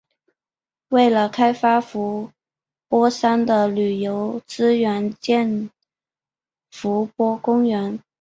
为了开发伏波山的旅游资源建伏波公园。